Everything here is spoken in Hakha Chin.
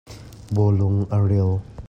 Bawlung a ril.